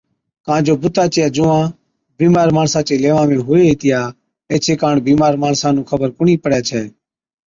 ڪان جو بُتا چِيا جُوئان بِيمار ماڻسا چي ليوان ۾ هُوي هِتِيا ايڇي ڪاڻ بِيمار ماڻسا نُون خبر ڪونهِي پڙَي ڇَي